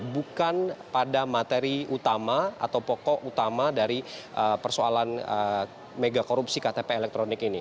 bukan pada materi utama atau pokok utama dari persoalan mega korupsi ktp elektronik ini